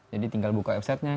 jadi tinggal buka websitenya